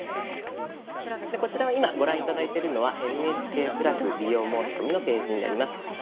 こちらは今ご覧頂いてるのは「ＮＨＫプラス利用申込み」のページになります。